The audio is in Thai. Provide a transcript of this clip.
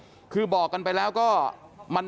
จะไม่เคลียร์กันได้ง่ายนะครับ